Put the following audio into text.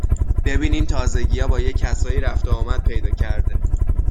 ببین این تازگیا با یه کسایی رفت و آمد پیدا کرده